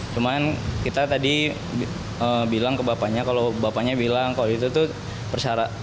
cuman kita tadi bilang ke bapaknya kalau bapaknya bilang kalau itu tuh persyaratan